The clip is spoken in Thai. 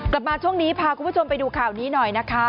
กลับมาช่วงนี้พาคุณผู้ชมไปดูข่าวนี้หน่อยนะคะ